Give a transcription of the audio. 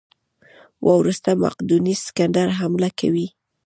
وروسته مقدوني سکندر حمله کوي.